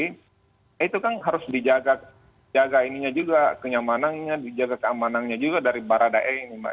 nah itu kan harus dijaga jagainya juga kenyamanannya dijaga keamanannya juga dari barada e ini mbak